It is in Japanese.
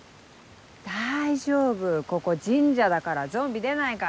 大丈夫ここ神社だからゾンビ出ないから。